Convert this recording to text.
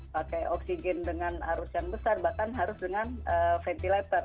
pakai oksigen dengan arus yang besar bahkan harus dengan ventilator